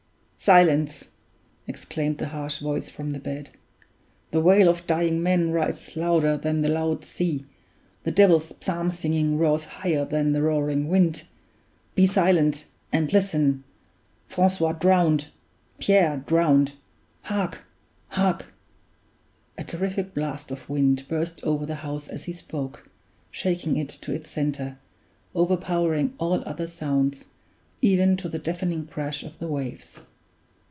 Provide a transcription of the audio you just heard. "Silence!" exclaimed the harsh voice from the bed. "The wail of dying men rises louder than the loud sea; the devil's psalm singing roars higher than the roaring wind! Be silent, and listen! Francois drowned! Pierre drowned! Hark! Hark!" A terrific blast of wind burst over the house as he spoke, shaking it to its center, overpowering all other sounds, even to the deafening crash of the waves.